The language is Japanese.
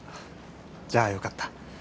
じゃあよかった。